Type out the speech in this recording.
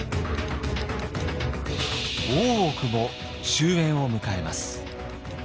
大奥も終焉を迎えます。